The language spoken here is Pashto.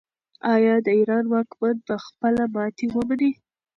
آیا د ایران واکمن به خپله ماتې ومني؟